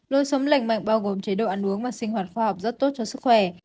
lối sống lành mạnh bao gồm chế độ ăn uống và sinh hoạt khoa học rất tốt cho sức khỏe